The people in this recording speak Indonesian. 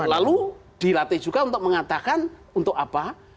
lalu dilatih juga untuk mengatakan untuk apa